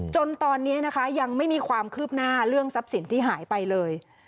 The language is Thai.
จนตอนนี้นะคะยังไม่มีความคืบหน้าเรื่องทรัพย์สินที่หายไปเลย